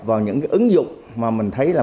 vào những ứng dụng mà mình thấy là